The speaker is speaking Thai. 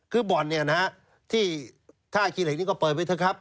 คือบ่อนเนี่ยนะฮะที่ท่าขี้เหล็กนี้ก็เปิดไปเถอะครับ